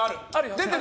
出てる！